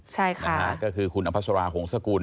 ใช่ค่ะนะฮะก็คือคุณอภัสราหงษกุล